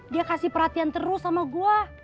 dia kasih perhatian terus sama gue